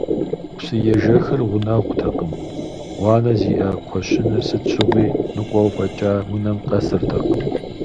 Псыежэхыр гъунэгъутэкъыми, гъуанэ зиӀэ кхъуэщыныр сыт щыгъуи ныкъуэу фӀэкӀа унэм къэсыртэкъым.